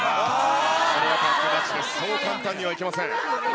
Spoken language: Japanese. そう簡単にはいきません。